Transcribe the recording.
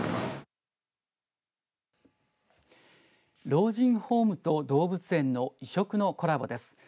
老人ホームと動物園の異色のコラボです。